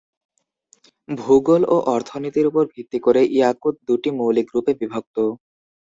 ভূগোল ও অর্থনীতির উপর ভিত্তি করে ইয়াকুত দুটি মৌলিক গ্রুপে বিভক্ত।